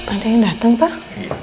ada yang dateng pak